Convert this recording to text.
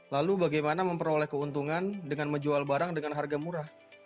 lalu bagaimana memperoleh keuntungan dengan menjual barang dengan harga murah